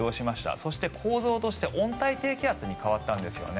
そして構造として温帯低気圧に変わったんですよね。